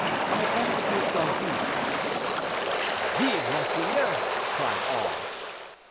I am the Duc d'Anjou." "Vive, monseigneur!" cried all.